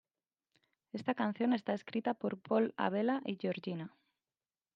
Esta canción está escrita por Paul Abela y Georgina.